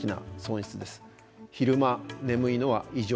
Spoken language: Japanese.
昼間眠いのは異常。